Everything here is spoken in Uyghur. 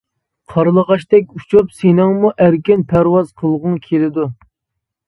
قارلىغاچتەك ئۇچۇپ سېنىڭمۇ ئەركىن پەرۋاز قىلغۇڭ كېلىدۇ.